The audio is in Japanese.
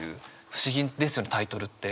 不思議ですよねタイトルって。